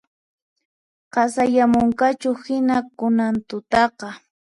Qasayamunqachuhina kunan tutaqa